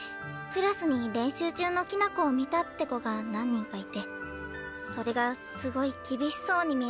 クラスに練習中のきな子を見たって子が何人かいてそれがすごい厳しそうに見えたらしくて。